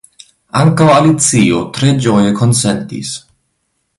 Ankaŭ Alicio tre ĝoje konsentis.